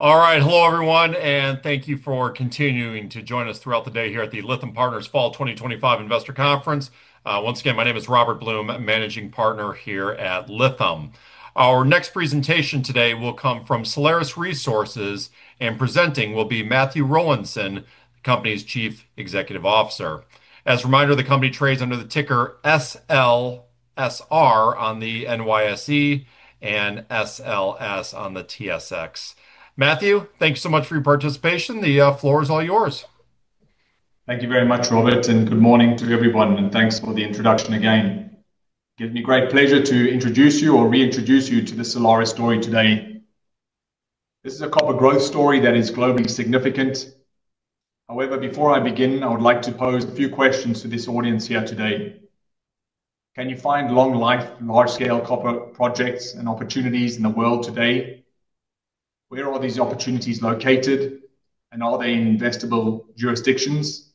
All right, hello everyone, and thank you for continuing to join us throughout the day here at the Lytham Partners Fall 2025 Investor Conference. Once again, my name is Robert Blum, Managing Partner here at Lytham. Our next presentation today will come from Solaris Resources, and presenting will be Matthew Rowlinson, the company's Chief Executive Officer. As a reminder, the company trades under the ticker SLSR on the NYSE and SLS on the TSX. Matthew, thanks so much for your participation. The floor is all yours. Thank you very much, Robert, and good morning to everyone, and thanks for the introduction again. It gives me great pleasure to introduce you or reintroduce you to the Solaris story today. This is a copper growth story that is globally significant. However, before I begin, I would like to pose a few questions to this audience here today. Can you find long-life, large-scale copper projects and opportunities in the world today? Where are these opportunities located, and are they in investable jurisdictions?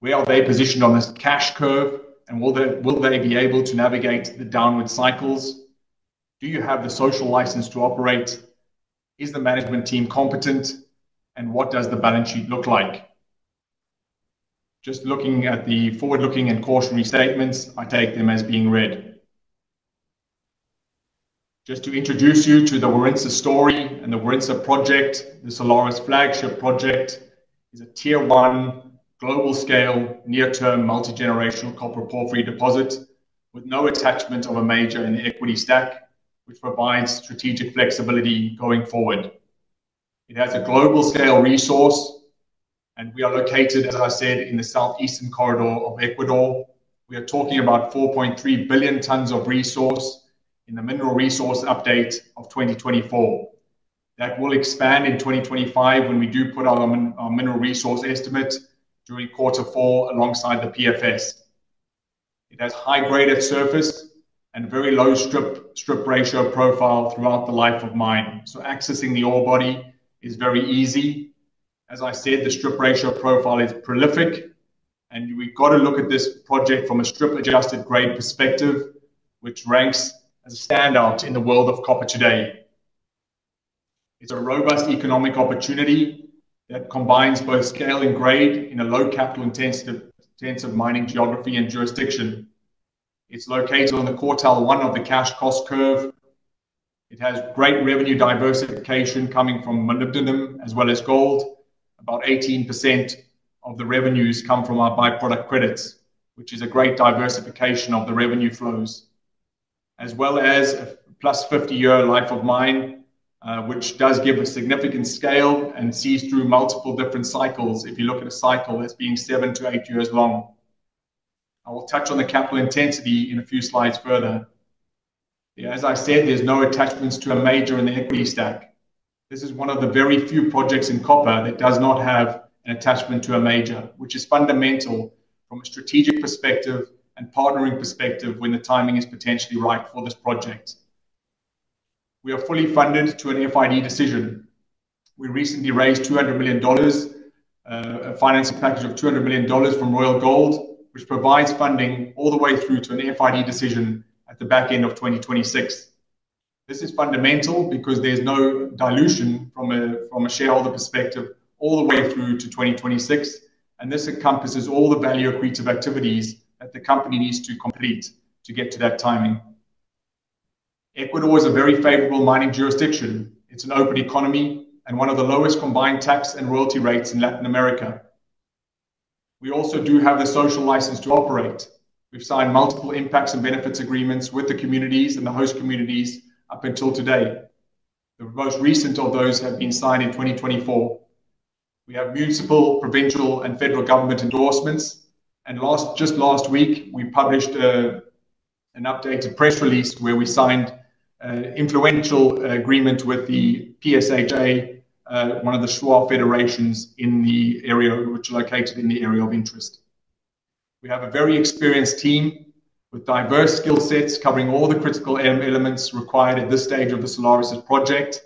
Where are they positioned on this cash curve, and will they be able to navigate the downward cycles? Do you have the social license to operate? Is the management team competent? What does the balance sheet look like? Just looking at the forward-looking and cautionary statements, I take them as being read. Just to introduce you to the Warintza story and the Warintza Project, the Solaris flagship project is a tier one, global scale, near-term, multi-generational copper porphyry deposit with no attachment of a major in the equity stack, which provides strategic flexibility going forward. It has a global scale resource, and we are located, as I said, in the southeastern corridor of Ecuador. We are talking about 4.3 billion tons of resource in the mineral resource update of 2024. That will expand in 2025 when we do put out our mineral resource estimate during quarter four alongside the PFS. It has high grade at surface and a very low strip ratio profile throughout the life of mine. Accessing the ore body is very easy. The strip ratio profile is prolific, and we've got to look at this project from a strip-adjusted grade perspective, which ranks as a standout in the world of copper today. It's a robust economic opportunity that combines both scale and grade in a low capital-intensive mining geography and jurisdiction. It's located in the quartile one of the cash cost curve. It has great revenue diversification coming from molybdenum as well as gold. About 18% of the revenues come from our byproduct credits, which is a great diversification of the revenue flows, as well as a plus 50-year life of mine, which does give a significant scale and sees through multiple different cycles. If you look at a cycle that's being seven to eight years long, I will touch on the capital intensity in a few slides further. There's no attachments to a major in the equity stack. This is one of the very few projects in copper that does not have an attachment to a major, which is fundamental from a strategic perspective and partnering perspective when the timing is potentially right for this project. We are fully funded to an FID decision. We recently raised $200 million, a finance package of $200 million from Royal Gold, which provides funding all the way through to an FID decision at the back end of 2026. This is fundamental because there's no dilution from a shareholder perspective all the way through to 2026, and this encompasses all the value accretive activities that the company needs to complete to get to that timing. Ecuador is a very favorable mining jurisdiction. It's an open economy and one of the lowest combined tax and royalty rates in Latin America. We also do have the social license to operate. We've signed multiple impacts and benefits agreements with the communities and the host communities up until today. The most recent of those have been signed in 2024. We have municipal, provincial, and federal government endorsements, and just last week we published an updated press release where we signed an influential agreement with the, one of the Shuar federations in the area, which is located in the area of interest. We have a very experienced team with diverse skill sets covering all the critical elements required at this stage of the Solaris Resources. project,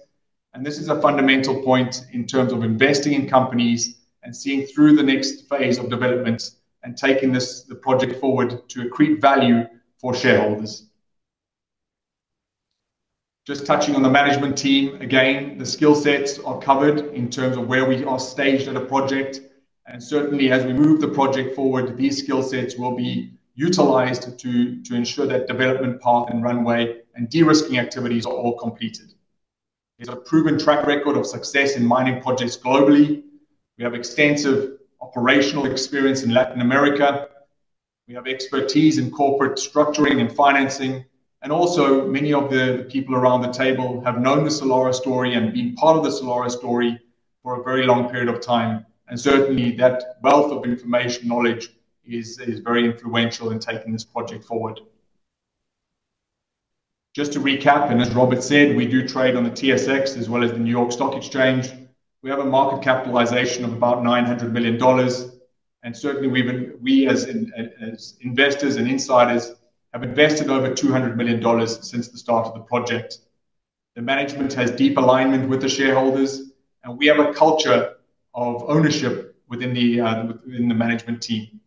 and this is a fundamental point in terms of investing in companies and seeing through the next phase of development and taking the project forward to accrete value for shareholders. Just touching on the management team, again, the skill sets are covered in terms of where we are staged at a project, and certainly as we move the project forward, these skill sets will be utilized to ensure that development path and runway and de-risking activities are all completed. There's a proven track record of success in mining projects globally. We have extensive operational experience in Latin America. We have expertise in corporate structuring and financing, and also many of the people around the table have known the Solaris story and been part of the Solaris story for a very long period of time, and certainly that wealth of information and knowledge is very influential in taking this project forward. Just to recap, and as Robert said, we do trade on the TSX as well as the New York Stock Exchange. We have a market capitalization of about $900 million, and certainly we, as investors and insiders, have invested over $200 million since the start of the project. The management has deep alignment with the shareholders, and we have a culture of ownership within the management team.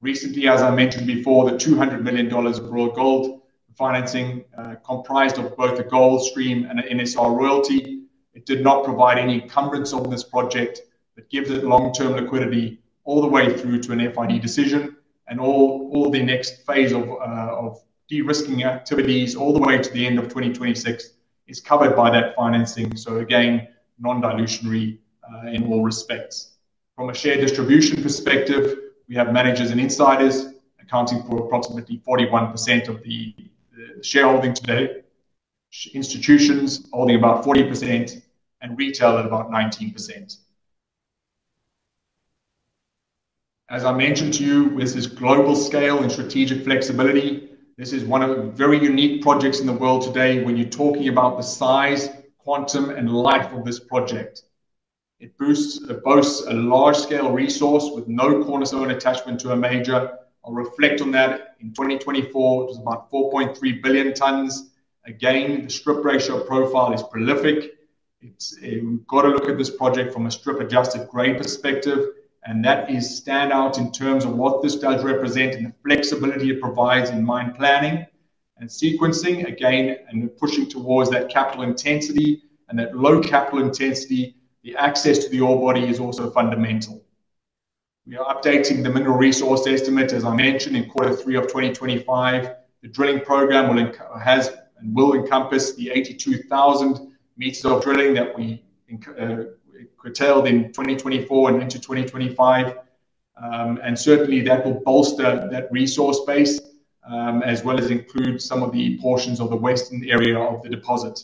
Recently, as I mentioned before, the $200 million of Royal Gold financing comprised both the gold stream and a NSR royalty. It did not provide any encumbrance on this project, but gives it long-term liquidity all the way through to a final investment decision, and all the next phase of de-risking activities all the way to the end of 2026 is covered by that financing. Non-dilutionary in all respects. From a share distribution perspective, we have managers and insiders accounting for approximately 41% of the shareholding today, institutions holding about 40%, and retail at about 19%. As I mentioned to you, with this global scale and strategic flexibility, this is one of the very unique projects in the world today when you're talking about the size, quantum, and life of this project. It boasts a large-scale resource with no cornerstone attachment to a major. I'll reflect on that in 2024, which is about 4.3 billion tons. The strip ratio profile is prolific. We've got to look at this project from a strip-adjusted grade perspective, and that is standout in terms of what this does represent and the flexibility it provides in mine planning and sequencing. Pushing towards that capital intensity and that low capital intensity, the access to the ore body is also fundamental. We are updating the mineral resource estimate, as I mentioned, in quarter three of 2025. The drilling program will encompass the 82,000 meters of drilling that we curtailed in 2024 and into 2025, and certainly that will bolster that resource base, as well as include some of the portions of the western area of the deposit.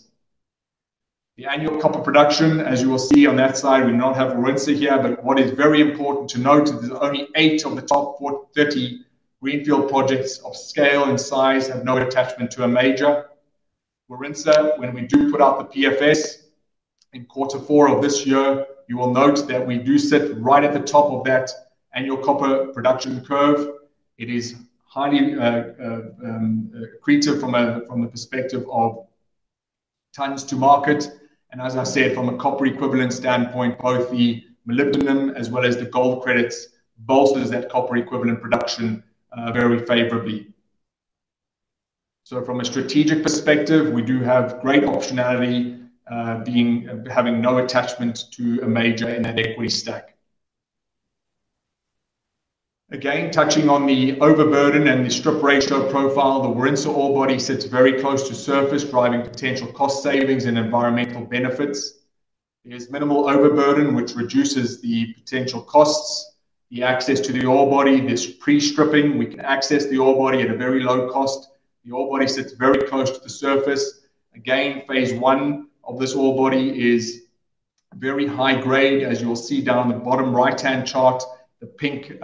The annual copper production, as you will see on that slide, we do not have Warintza here, but what is very important to note is that there are only eight of the top 40 greenfield projects of scale and size that have no attachment to a major. Warintza, when we do put out the PFS in quarter four of this year, you will note that we do sit right at the top of that annual copper production curve. It is highly accretive from the perspective of tons to market, and as I said, from a copper equivalent standpoint, both the molybdenum as well as the gold credits bolster that copper equivalent production very favorably. From a strategic perspective, we do have great optionality having no attachment to a major in that equity stack. Again, touching on the overburden and the strip ratio profile, the Warintza ore body sits very close to surface, driving potential cost savings and environmental benefits. There's minimal overburden, which reduces the potential costs. The access to the ore body, this pre-stripping, we can access the ore body at a very low cost. The ore body sits very close to the surface. Again, phase one of this ore body is very high grade, as you'll see down on the bottom right-hand chart. The pink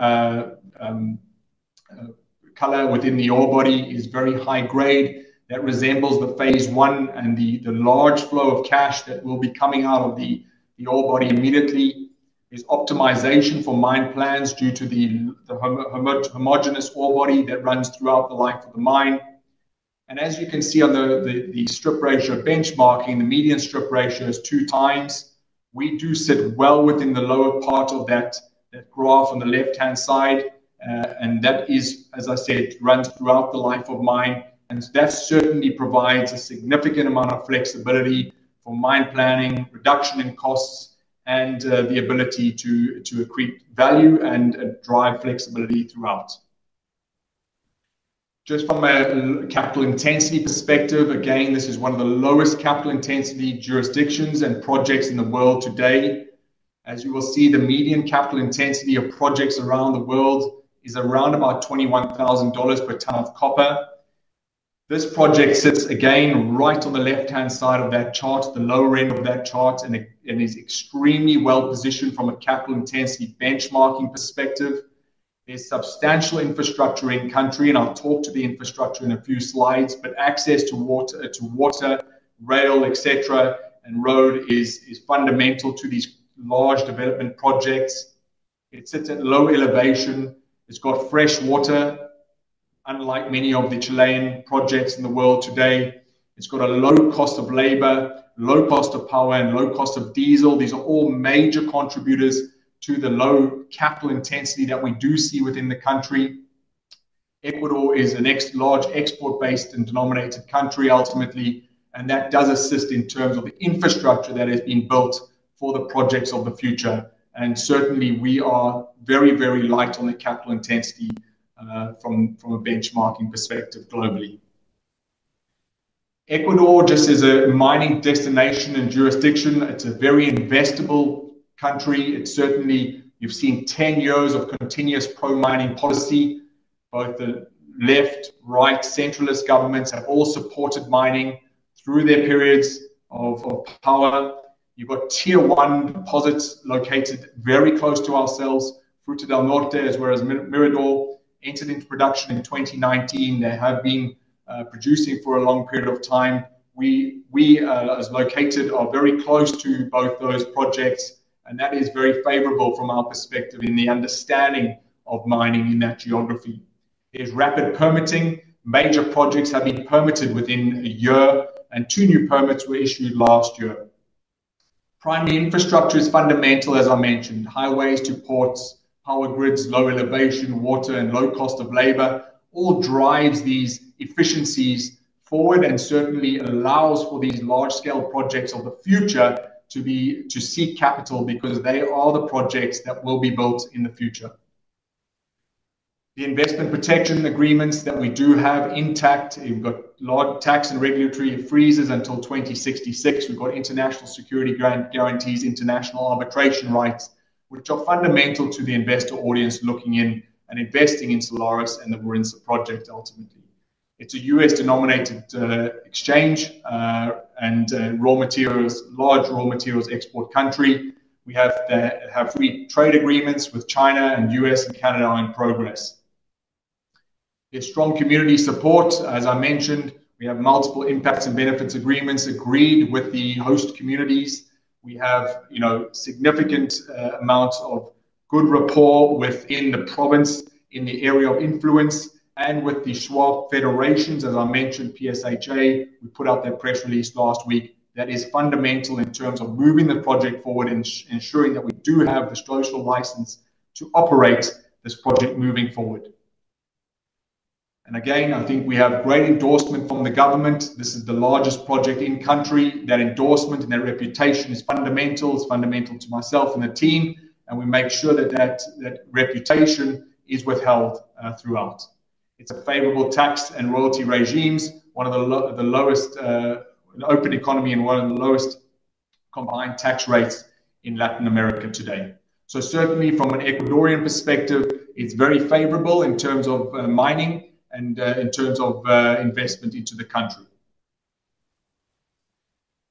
color within the ore body is very high grade. That resembles the phase I, and the large flow of cash that will be coming out of the ore body immediately is optimization for mine plans due to the homogeneous ore body that runs throughout the life of the mine. As you can see on the strip ratio benchmarking, the median strip ratio is two times. We do sit well within the lower part of that graph on the left-hand side, and that is, as I said, runs throughout the life of mine, and that certainly provides a significant amount of flexibility for mine planning, reduction in costs, and the ability to accrete value and drive flexibility throughout. Just from a capital intensity perspective, again, this is one of the lowest capital intensity jurisdictions and projects in the world today. As you will see, the median capital intensity of projects around the world is around about $21,000 per ton of copper. This project sits again right on the left-hand side of that chart, the lower end of that chart, and is extremely well positioned from a capital intensity benchmarking perspective. There's substantial infrastructure in country, and I'll talk to the infrastructure in a few slides, but access to water, rail, etc., and road is fundamental to these large development projects. It sits at low elevation. It's got fresh water, unlike many of the Chilean projects in the world today. It's got a low cost of labor, low cost of power, and low cost of diesel. These are all major contributors to the low capital intensity that we do see within the country. Ecuador is the next large export-based and U.S.-denominated country, ultimately, and that does assist in terms of the infrastructure that is being built for the projects of the future. We are very, very light on the capital intensity from a benchmarking perspective globally. Ecuador, just as a mining destination and jurisdiction, is a very investable country. You've seen 10 years of continuous pro-mining policy. Both the left, right, and centralist governments have all supported mining through their periods of power. You've got tier one deposits located very close to ourselves. Fruta del Norte, as well as Mirador, entered into production in 2019. They have been producing for a long period of time. We, as located, are very close to both those projects, and that is very favorable from our perspective in the understanding of mining in that geography. There's rapid permitting. Major projects have been permitted within a year, and two new permits were issued last year. Primary infrastructure is fundamental, as I mentioned. Highways to ports, power grids, low elevation, water, and low cost of labor all drive these efficiencies forward and allow for these large-scale projects of the future to seek capital because they are the projects that will be built in the future. The investment protection agreements that we do have intact, we've got large tax and regulatory freezes until 2066. We've got international security guarantees, international arbitration rights, which are fundamental to the investor audience looking in and investing in Solaris and the Warintza Project, ultimately. It's a U.S.-denominated exchange and a large raw materials export country. We have three trade agreements with China, U.S., and Canada in progress. There's strong community support. We have multiple impacts and benefits agreements agreed with the host communities. We have significant amounts of good rapport within the province in the area of influence and with the Shuar federations. As I mentioned, PSHA, we put out that press release last week. That is fundamental in terms of moving the project forward and ensuring that we do have the social license to operate this project moving forward. I think we have great endorsement from the government. This is the largest project in country. That endorsement and that reputation is fundamental. It's fundamental to myself and the team, and we make sure that that reputation is withheld throughout. It's a favorable tax and royalty regime, one of the lowest in the open economy and one of the lowest combined tax rates in Latin America today. Certainly, from an Ecuadorian perspective, it's very favorable in terms of mining and in terms of investment into the country.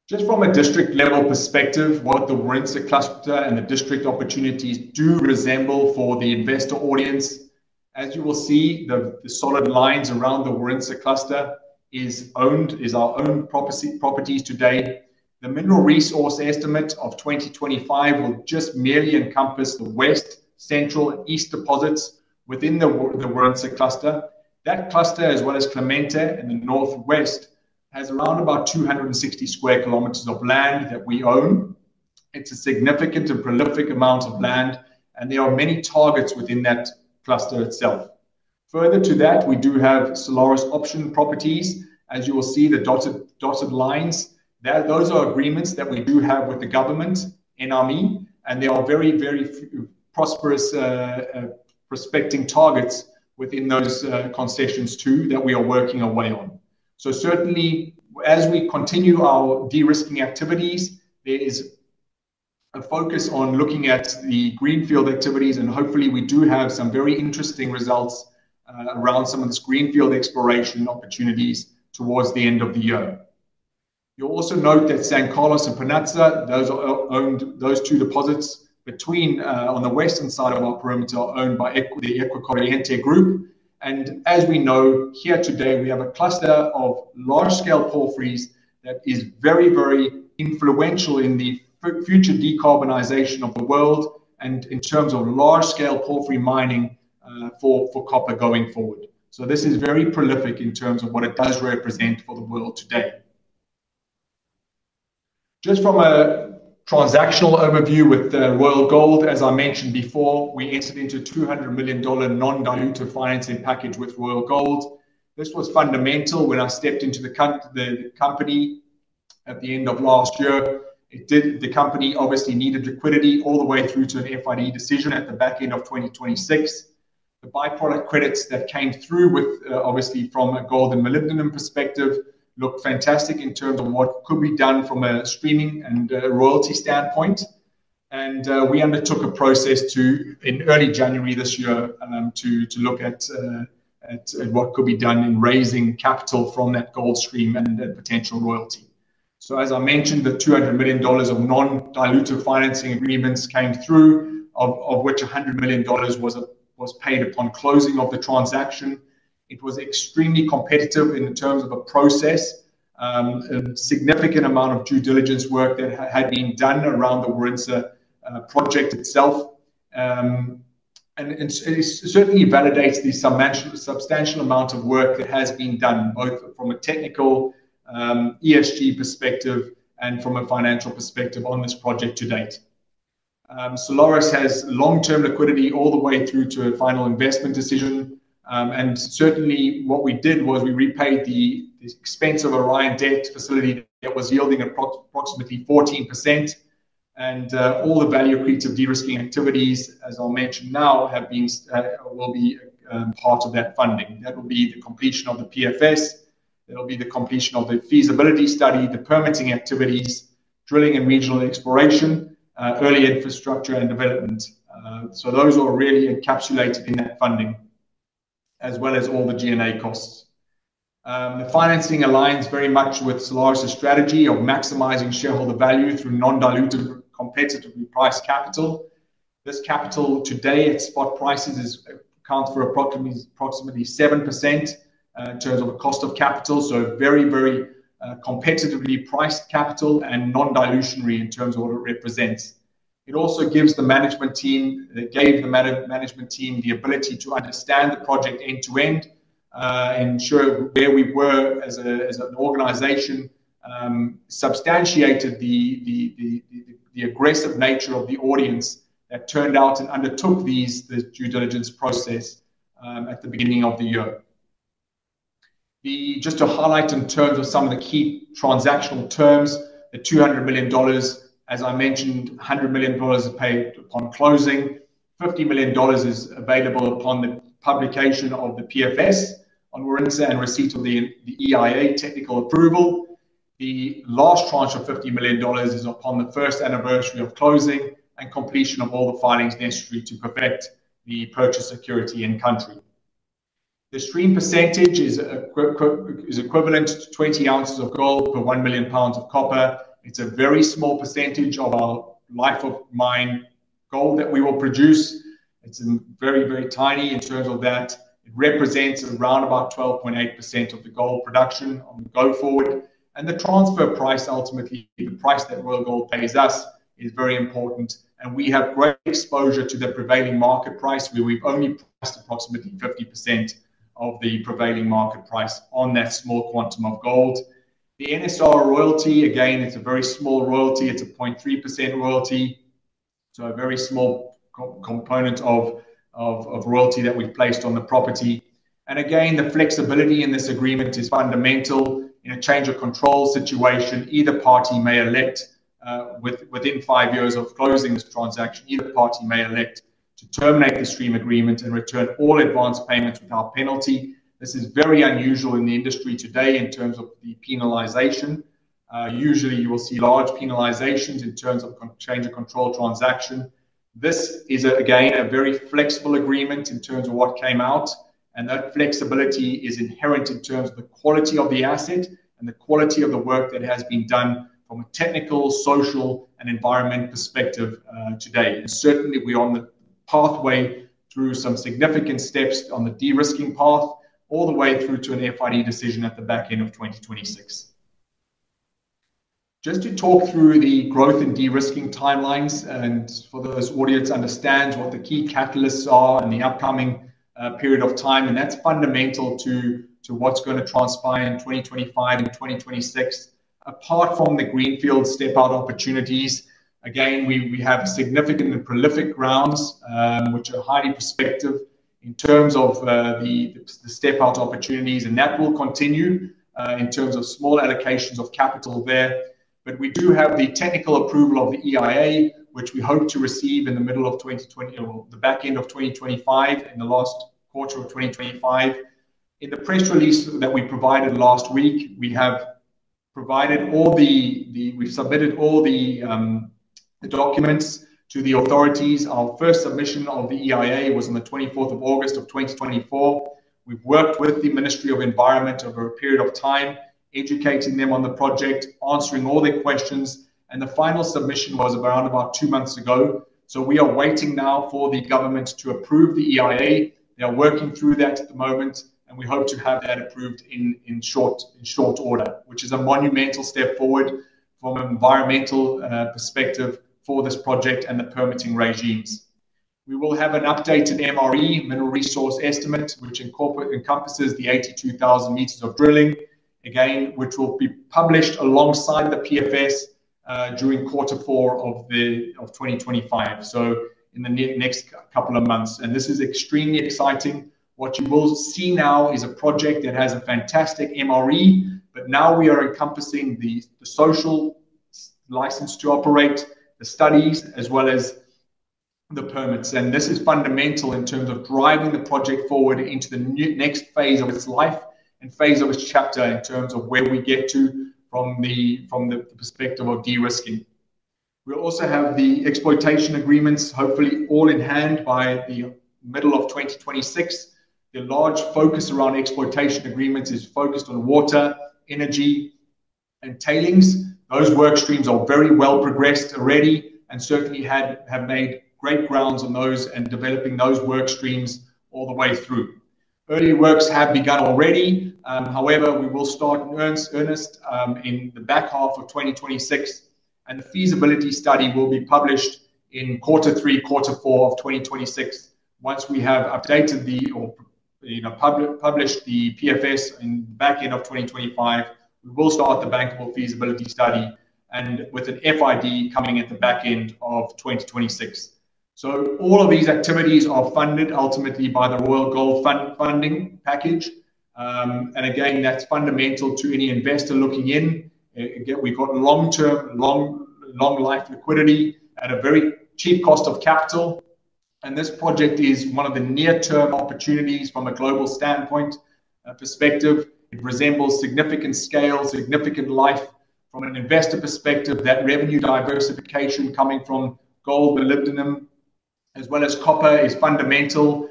Just from a district-level perspective, what the Warintza cluster and the district opportunities do resemble for the investor audience. As you will see, the solid lines around the Warintza cluster are our own properties today. The mineral resource estimate of 2025 will just merely encompass the west, central, and east deposits within the Warintza cluster. That cluster, as well as Clemente in the northwest, has around about 260 sq km of land that we own. It's a significant and prolific amount of land, and there are many targets within that cluster itself. Further to that, we do have Solaris option properties. As you will see, the dotted lines, those are agreements that we do have with the government in Amin, and there are very, very prosperous prospecting targets within those concessions too that we are working our way on. Certainly, as we continue our de-risking activities, there is a focus on looking at the greenfield activities, and hopefully we do have some very interesting results around some of the greenfield exploration opportunities towards the end of the year. You'll also note that San Carlos and Pananza, those two deposits on the western side of our perimeter, are owned by the Ecuador Inte Group. As we know here today, we have a cluster of large-scale porphyries that is very, very influential in the future decarbonization of the world and in terms of large-scale porphyry mining for copper going forward. This is very prolific in terms of what it does represent for the world today. Just from a transactional overview with Royal Gold, as I mentioned before, we entered into a $200 million non-dilutive financing package with Royal Gold. This was fundamental when I stepped into the company at the end of last year. The company obviously needed liquidity all the way through to an FID decision at the back end of 2026. The byproduct credits that came through, obviously from a gold and molybdenum perspective, looked fantastic in terms of what could be done from a streaming and royalty standpoint. We undertook a process in early January this year to look at what could be done in raising capital from that gold stream and potential royalty. As I mentioned, the $200 million of non-dilutive financing agreements came through, of which $100 million was paid upon closing of the transaction. It was extremely competitive in terms of a process, a significant amount of due diligence work that had been done around the Warintza Project itself. It certainly validates the substantial amount of work that has been done both from a technical ESG perspective and from a financial perspective on this project to date. Solaris has long-term liquidity all the way through to a final investment decision. What we did was we repaid the expense of Orion Debt Facility that was yielding approximately 14%. All the value-accretive de-risking activities, as I'll mention now, will be part of that funding. That will be the completion of the PFS, the completion of the feasibility study, the permitting activities, drilling and regional exploration, early infrastructure, and development. Those are really encapsulated in that funding, as well as all the G&A costs. The financing aligns very much with Solaris' strategy of maximizing shareholder value through non-dilutive, competitively priced capital. This capital today at spot prices accounts for approximately 7% in terms of a cost of capital. Very, very competitively priced capital and non-dilutionary in terms of what it represents. It also gives the management team, and it gave the management team the ability to understand the project end to end and ensure where we were as an organization, substantiated the aggressive nature of the audience that turned out and undertook this due diligence process at the beginning of the year. Just to highlight in terms of some of the key transactional terms, the $200 million, as I mentioned, $100 million is paid on closing. $50 million is available upon the publication of the PFS on Warintza and receipt of the EIA technical approval. The last tranche of $50 million is upon the first anniversary of closing and completion of all the filings necessary to permit the purchase security in country. The stream percentage is equivalent to 20 oz of gold per 1 million lbs of copper. It's a very small percentage of our life of mine gold that we will produce. It's very, very tiny in terms of that. It represents around about 12.8% of the gold production going forward. The transfer price, ultimately, the price that Royal Gold pays us is very important. We have great exposure to the prevailing market price where we've only priced approximately 50% of the prevailing market price on that small quantum of gold. The NSR royalty, again, it's a very small royalty. It's a 0.3% royalty, so a very small component of royalty that we've placed on the property. The flexibility in this agreement is fundamental. In a change of control situation, either party may elect within five years of closing the transaction, either party may elect to terminate the stream agreement and return all advanced payments without penalty. This is very unusual in the industry today in terms of the penalization. Usually, you will see large penalizations in terms of change of control transaction. This is a very flexible agreement in terms of what came out. That flexibility is inherent in terms of the quality of the asset and the quality of the work that has been done from a technical, social, and environment perspective today. Certainly, we're on the pathway through some significant steps on the de-risking path all the way through to an FID decision at the back end of 2026. Just to talk through the growth and de-risking timelines and for those audience to understand what the key catalysts are in the upcoming period of time, that's fundamental to what's going to transpire in 2025 and 2026. Apart from the greenfield step-out opportunities, we have significant and prolific grounds, which are highly prospective in terms of the step-out opportunities, and that will continue in terms of small allocations of capital there. We do have the technical approval of the EIA, which we hope to receive in the middle of 2025 or the back end of 2025, in the last quarter of 2025. In the press release that we provided last week, we have provided all the, we've submitted all the documents to the authorities. Our first submission of the EIA was on the 24th of August of 2024. We've worked with the Ministry of Environment over a period of time, educating them on the project, answering all their questions, and the final submission was around about two months ago. We are waiting now for the government to approve the EIA. They're working through that at the moment, and we hope to have that approved in short order, which is a monumental step forward from an environmental perspective for this project and the permitting regimes. We will have an updated MRE, mineral resource estimate, which encompasses the 82,000 meters of drilling, again, which will be published alongside the PFS during quarter four of 2025, in the next couple of months. This is extremely exciting. What you will see now is a project that has a fantastic MRE, but now we are encompassing the social license to operate, the studies, as well as the permits. This is fundamental in terms of driving the project forward into the next phase of its life and phase of its chapter in terms of where we get to from the perspective of de-risking. We also have the exploitation agreements, hopefully all in hand by the middle of 2026. The large focus around exploitation agreements is focused on water, energy, and tailings. Those work streams are very well progressed already and certainly have made great grounds on those and developing those work streams all the way through. Early works have begun already. However, we will start earnest in the back half of 2026, and the feasibility study will be published in quarter three, quarter four of 2026. Once we have updated or published the PFS in the back end of 2025, we will start the bankable feasibility study with an FID coming at the back end of 2026. All of these activities are funded ultimately by the Royal Gold funding package. That's fundamental to any investor looking in. We've got long-term, long-life liquidity at a very cheap cost of capital. This project is one of the near-term opportunities from a global standpoint perspective. It resembles significant scale, significant life from an investor perspective. That revenue diversification coming from gold, molybdenum, as well as copper is fundamental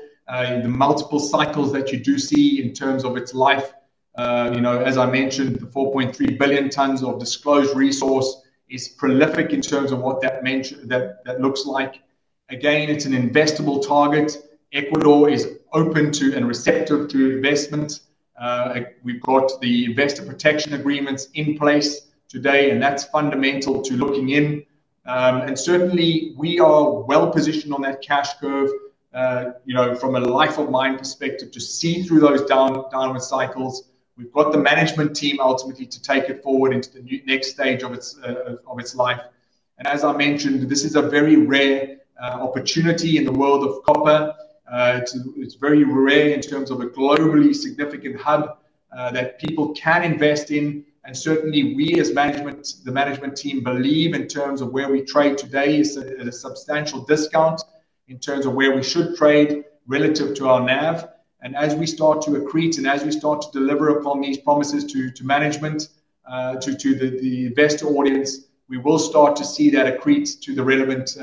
in the multiple cycles that you do see in terms of its life. As I mentioned, the 4.3 billion tons of disclosed resource is prolific in terms of what that looks like. It's an investable target. Ecuador is open to and receptive to investments. We've got the investor protection agreements in place today, and that's fundamental to looking in. Certainly, we are well positioned on that cash curve from a life of mine perspective to see through those downward cycles. We've got the management team ultimately to take it forward into the next stage of its life. As I mentioned, this is a very rare opportunity in the world of copper. It's very rare in terms of a globally significant hub that people can invest in. Certainly, we as management, the management team believe in terms of where we trade today is at a substantial discount in terms of where we should trade relative to our NAV. As we start to accrete and as we start to deliver upon these promises to management, to the investor audience, we will start to see that accrete to the relevant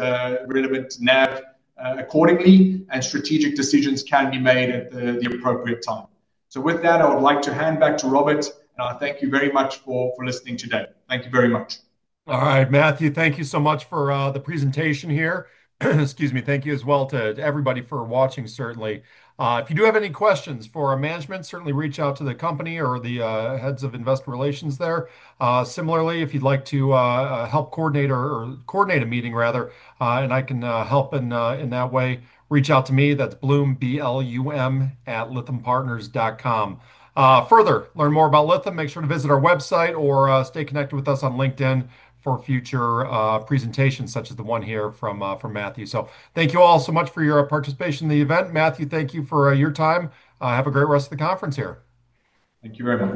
NAV accordingly, and strategic decisions can be made at the appropriate time. With that, I would like to hand back to Robert, and I thank you very much for listening today. Thank you very much. All right, Matthew, thank you so much for the presentation here. Thank you as well to everybody for watching, certainly. If you do have any questions for our management, certainly reach out to the company or the heads of investor relations there. Similarly, if you'd like to coordinate a meeting rather, and I can help in that way, reach out to me. That's Blum, blum@lithiumpartners.com. Further, to learn more about Lithium Partners, make sure to visit our website or stay connected with us on LinkedIn for future presentations such as the one here from Matthew. Thank you all so much for your participation in the event. Matthew, thank you for your time. Have a great rest of the conference here. Thank you, Rem.